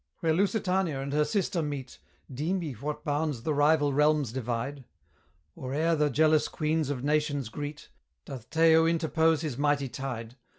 Where Lusitania and her Sister meet, Deem ye what bounds the rival realms divide? Or e'er the jealous queens of nations greet, Doth Tayo interpose his mighty tide?